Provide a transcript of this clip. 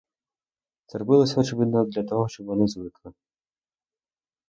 Це робилося, очевидно, для того, щоб вони звикли.